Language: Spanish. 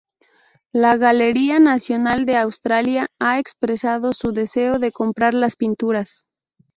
La Galería Nacional de Australia ha expresado su deseo de comprar las pinturas.